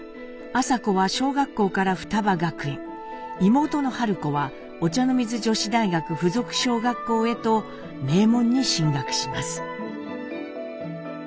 麻子は小学校から雙葉学園妹の子はお茶の水女子大学附属小学校へと名門に進学します。